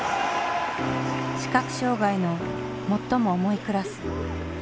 視覚障害の最も重いクラス。